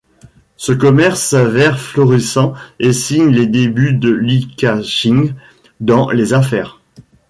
Ce commerce s'avère florissant et signe les débuts de Li Ka-shing dans les affaires.